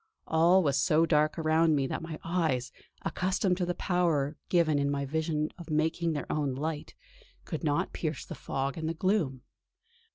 All was so dark around me that my eyes, accustomed to the power given in my vision of making their own light, could not pierce the fog and the gloom.